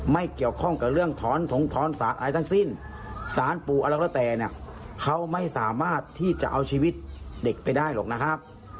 ไม่เกี่ยวข้องกับเรื่องถอนถงถอนสารอะไรทั้งสิ้นสารปู่อะไรก็แล้วแต่เนี่ยเขาไม่สามารถที่จะเอาชีวิตเด็กไปได้หรอกนะครับ